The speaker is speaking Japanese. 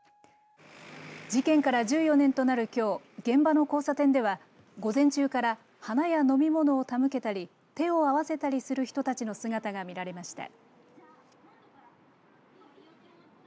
事件から１４年となるきょう現場の交差点では午前中から花や飲み物を手向けたり手を合わせたりする人たちの姿が見られました。